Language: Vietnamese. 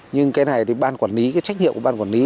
nhưng cái này thì ban quản lý cái trách nhiệm của ban quản lý